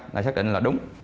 là xác định là đúng